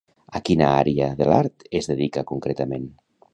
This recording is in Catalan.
A quina àrea de l'art es dedica concretament?